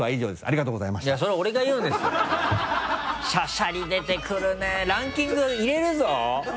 しゃしゃり出てくるねランキング入れるぞ！